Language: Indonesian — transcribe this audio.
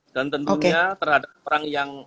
dan tentunya terhadap perang yang